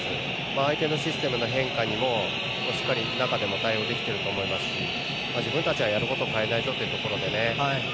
相手のシステムの変化にもしっかり中でも対応できていると思いますし自分たちは、やることを変えないぞっていうところでね。